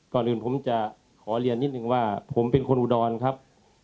ก่อนอื่นผมจะขอเรียนนิดนึงว่าผมเป็นคนอุดรครับ